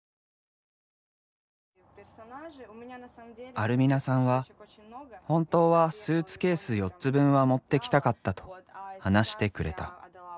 アルミナさんは「本当はスーツケース４つ分は持ってきたかった」と話してくれた。